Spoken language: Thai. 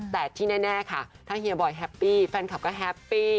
แต่ที่แน่ค่ะถ้าเฮียบอยแฮปปี้แฟนคลับก็แฮปปี้